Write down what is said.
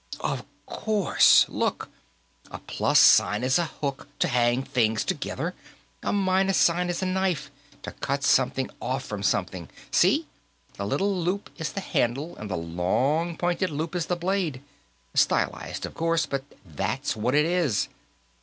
"Of course! Look! A plus sign is a hook, to hang things together; a minus sign is a knife, to cut something off from something see, the little loop is the handle and the long pointed loop is the blade. Stylized, of course, but that's what it is.